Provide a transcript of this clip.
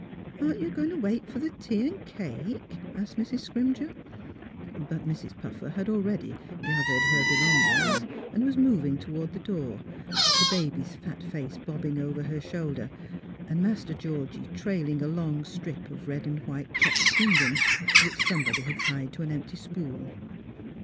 " Aren't you going t' wait for the tea and cake? " asked Mrs. Scrimger. But Mrs. Puffer had already gathered her be longings and was moving toward the door, the baby's fat face bobbing over her shoulder and THE PARISH HEAES THE NEWS 305 Master Georgie trailing a long strip of red and white checked gingham which somebody had tied to an empty spool.